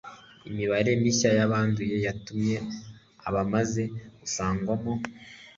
Imibare mishya y'abanduye yatumye abamaze gusangwamo